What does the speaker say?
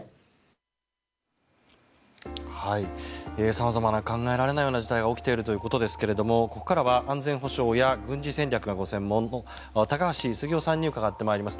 様々な考えられないような事態が起きているということですがここからは安全保障や軍事戦略がご専門の高橋杉雄さんに伺ってまいります。